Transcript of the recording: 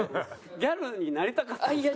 ギャルになりたかったんですか？